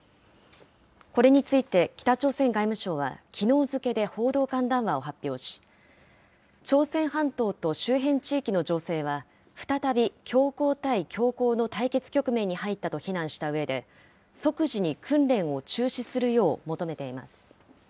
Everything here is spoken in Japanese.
これについて北朝鮮外務省はきのう付けで報道官談話を発表し、朝鮮半島と周辺地域の情勢は再び強硬対強硬の対決局面に入ったと非難したうえで、即時に訓練を中止するよう求めています。